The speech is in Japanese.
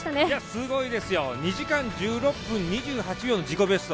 すごいですよ、２時間１６分２８秒の自己ベスト。